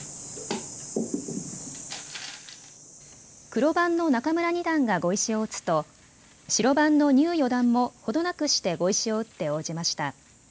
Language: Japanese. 黒番の仲邑二段が碁石を打つと白番の牛四段も程なくして碁石を打って応じました。